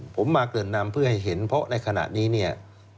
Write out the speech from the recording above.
ผมมาเกริ่นนำเพื่อให้เห็นเพราะในขณะนี้เนี่ย